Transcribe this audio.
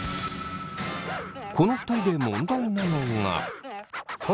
この２人で問題なのが。